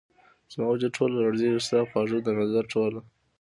زما وجود ټوله لرزیږې ،ستا خواږه ، دنظر ټوله